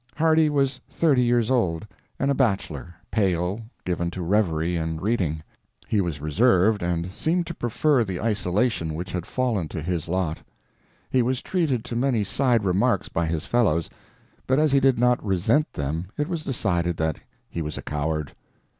Hardy was thirty years old, and a bachelor; pale, given to reverie and reading. He was reserved, and seemed to prefer the isolation which had fallen to his lot. He was treated to many side remarks by his fellows, but as he did not resent them it was decided that he was a coward.